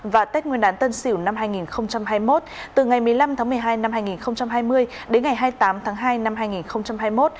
và tết nguyên đán tân sỉu năm hai nghìn hai mươi một từ ngày một mươi năm tháng một mươi hai năm hai nghìn hai mươi đến ngày hai mươi tám tháng hai năm hai nghìn hai mươi một